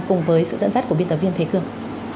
cùng với sự dẫn dắt của biên tập viên thế cương